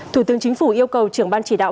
thủ tướng chính phủ yêu cầu trưởng ban chỉ đạo